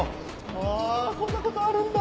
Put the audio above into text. わぁこんなことあるんだ！